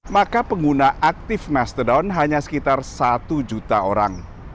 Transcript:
maka pengguna aktif mastodon hanya sekitar satu juta orang